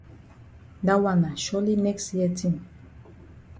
Dat wan na surely next year tin.